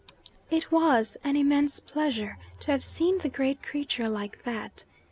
It was an immense pleasure to have seen the great creature like that.